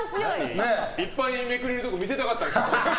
いっぱいめくれるところ見せたかったんですか？